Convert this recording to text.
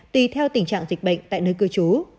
tùy theo tình trạng dịch bệnh tại nơi cư trú